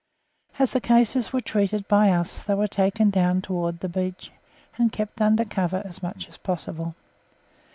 As the cases were treated by us, they were taken down towards the beach and kept under cover as much as possible.